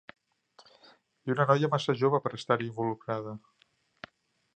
I una noia massa jove per estar-hi involucrada!